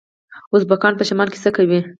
ازبکان په شمال کې څه کوي؟